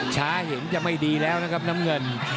เห็นจะไม่ดีแล้วนะครับน้ำเงิน